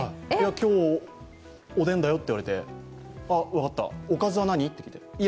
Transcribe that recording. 今日、おでんだよって言われて分かった、おかずは何？って。